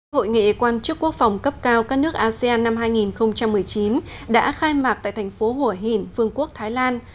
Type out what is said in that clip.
hội nghị quan chức quốc phòng cấp cao các nước asean năm hai nghìn một mươi chín đã khai mạc tại thành phố hủa hình vương quốc thái lan